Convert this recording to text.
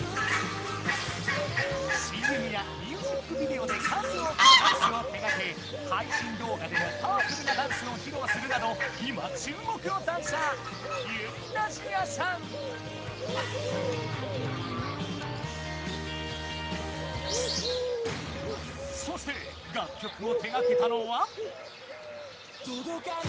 ＣＭやミュージックビデオで数多くのダンスを手がけ配信動画でもパワフルなダンスをひろうするなど今注目のダンサーそして楽曲を手がけたのは。